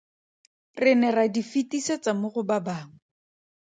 Re ne ra di fetisetsa mo go ba bangwe.